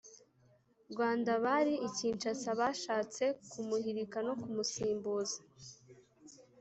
Rwanda bari i Kinshasa bashatse kumuhirika no kumusimbuza